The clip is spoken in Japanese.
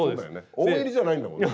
大喜利じゃないんだもんね。